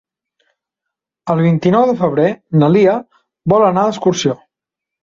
El vint-i-nou de febrer na Lia vol anar d'excursió.